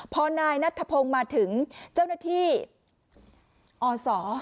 พอนายนัทธพงศ์มาถึงเจ้าหน้าที่อศ